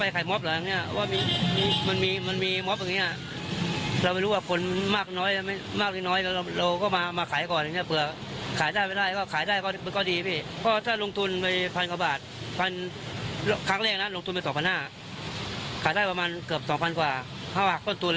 ขายได้ประมาณเกือบ๒๐๐๐บาทกว่าถ้าหักต้นทุนแล้วก็ได้กำไรประมาณ๕๖๐๐บาท